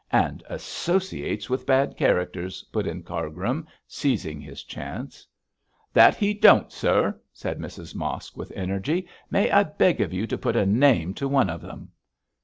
'And associates with bad characters,' put in Cargrim, seizing his chance. 'That he don't, sir,' said Mrs Mosk, with energy. 'May I beg of you to put a name to one of 'em?'